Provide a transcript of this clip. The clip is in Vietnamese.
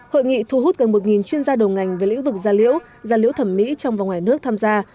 hội nghị thu hút gần một chuyên gia đầu ngành về lĩnh vực da liễu da liễu thẩm mỹ trong và ngoài nước tham gia